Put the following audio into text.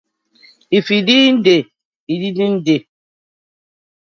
If e didnʼt dey, e didnʼt dey.